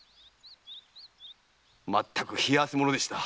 まったく冷や汗ものでした。